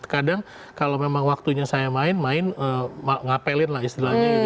kadang kalau memang waktunya saya main main ngapelin lah istilahnya gitu